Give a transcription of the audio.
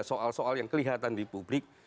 soal soal yang kelihatan di publik